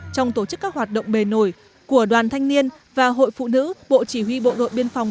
trong tổ chức các hoạt động bề nổi của đoàn thanh niên và hội phụ nữ bộ chỉ huy bộ đội biên phòng